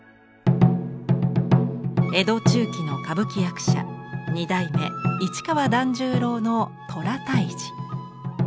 江戸中期の歌舞伎役者二代目市川団十郎の虎退治。